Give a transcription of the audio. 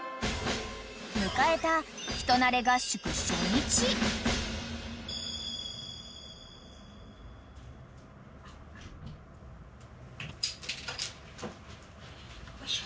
［迎えた人馴れ合宿初日］よいしょ。